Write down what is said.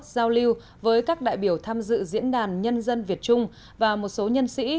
giao lưu với các đại biểu tham dự diễn đàn nhân dân việt trung và một số nhân sĩ